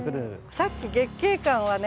さっき月桂冠はね